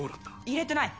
入れてない！